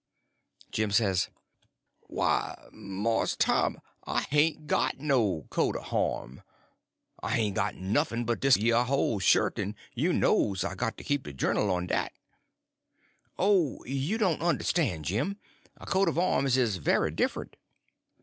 Jim says: "Why, Mars Tom, I hain't got no coat o' arm; I hain't got nuffn but dish yer ole shirt, en you knows I got to keep de journal on dat." "Oh, you don't understand, Jim; a coat of arms is very different."